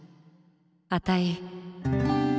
あたい。